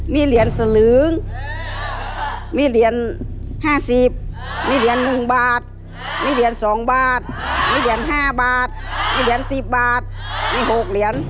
มีเหรียญสลึงมีเหรียญ๕๐มีเหรียญ๑บาทมีเหรียญ๒บาทมีเหรียญ๕บาทมีเหรียญ๑๐บาทมี๖เหรียญ